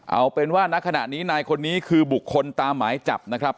เอาเป็นว่าณขณะนี้นายคนนี้คือบุคคลตามหมายจับนะครับ